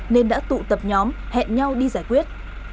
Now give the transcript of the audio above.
nên đã tụ tập nhóm hẹn nhau đi giải quyết